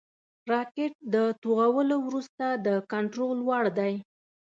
راکټ د توغولو وروسته د کنټرول وړ دی